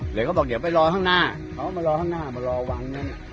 เดี๋ยวก็บอกเดี๋ยวไปรอข้างหน้าเขามารอข้างหน้ามารอวัง